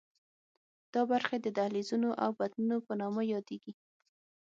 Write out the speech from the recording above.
دا برخې د دهلیزونو او بطنونو په نامه یادېږي.